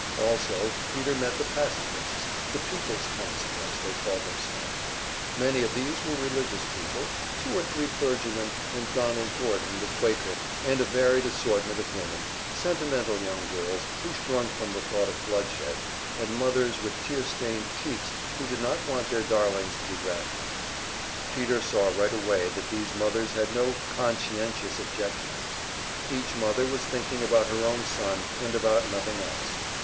Also Peter met the Pacifists; the "Peoples' Council," as they called themselves. Many of these were religious people, two or three clergymen, and Donald Gordon, the Quaker, and a varied assortment of women sentimental young girls who shrunk from the thought of bloodshed, and mothers with tear stained cheeks who did not want their darlings to be drafted. Peter saw right away that these mothers had no "conscientious objections." Each mother was thinking about her own son and about nothing else.